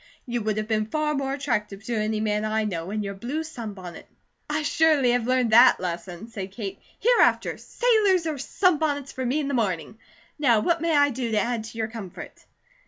You would have been far more attractive to any man I know in your blue sunbonnet." "I surely have learned that lesson," said Kate. "Hereafter, sailors or sunbonnets for me in the morning. Now what may I do to add to your comfort?"